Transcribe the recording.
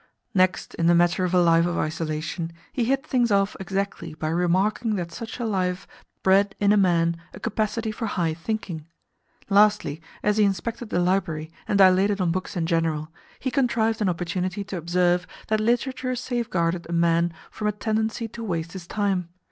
Next, in the matter of a life of isolation, he hit things off exactly by remarking that such a life bred in a man a capacity for high thinking. Lastly, as he inspected the library and dilated on books in general, he contrived an opportunity to observe that literature safeguarded a man from a tendency to waste his time.